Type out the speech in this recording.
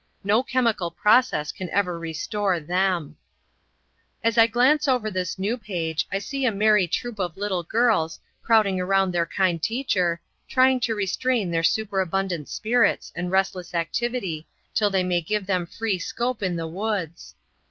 No chemical process can ever restore them. As I glance over this new page, I see a merry troop of little girls, crowding around their kind teacher, trying to restrain their superabundant spirits, and restless activity, till they may give them free scope in the woods.